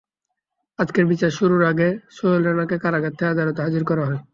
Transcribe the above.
আজকের বিচার শুরুর আগে সোহেল রানাকে কারাগার থেকে আদালতে হাজির করা হয়।